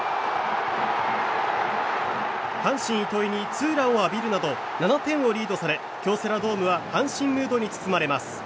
阪神、糸井にツーランを浴びるなど７点をリードされ京セラドームは阪神ムードに包まれます。